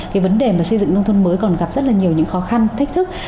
cái vấn đề mà xây dựng nông thôn mới còn gặp rất là nhiều những khó khăn thách thức